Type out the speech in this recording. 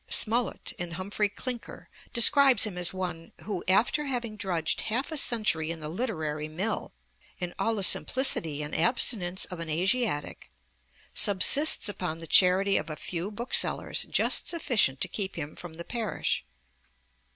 Smollett, in Humphry Clinker (in Melford's Letter of June 10), describes him as one 'who, after having drudged half a century in the literary mill, in all the simplicity and abstinence of an Asiatic, subsists upon the charity of a few booksellers, just sufficient to keep him from the parish.'